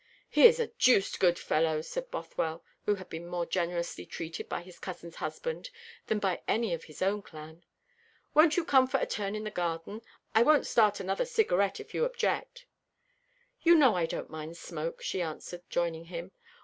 "He is a deuced good fellow," said Bothwell, who had been more generously treated by his cousin's husband than by any of his own clan. "Won't you come for a turn in the garden? I won't start another cigarette, if you object." "You know I don't mind smoke," she answered, joining him.